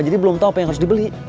jadi belum tahu apa yang harus dibeli